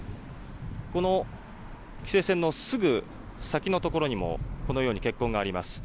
この規制線のすぐ先のところにもこのように血痕があります。